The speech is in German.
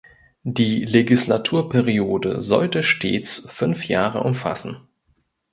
Die Legislaturperiode sollte stets fünf Jahre umfassen.